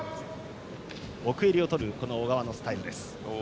奥襟を取る小川のスタイル。